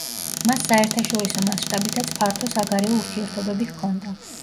მას საერთაშორისო მასშტაბითაც ფართო საგარეო ურთიერთობები ჰქონდა.